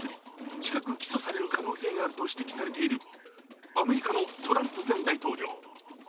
近く起訴される可能性があると指摘されているアメリカのトランプ前大統領。